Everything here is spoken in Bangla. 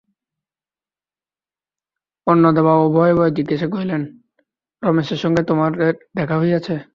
অন্নদাবাবু ভয়ে ভয়ে জিজ্ঞাসা করিলেন, রমেশের সঙ্গে তোমাদের দেখা হইয়াছে?